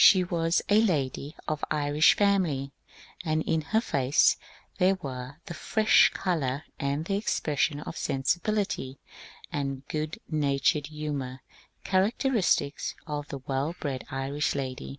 She was a lady of Irish family, and in her face there were the fresh colour and the expression of sensibility and good natured humour characteristic of the well bred Irish lady.